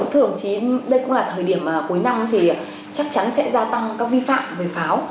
thưa đồng chí đây cũng là thời điểm cuối năm thì chắc chắn sẽ gia tăng các vi phạm về pháo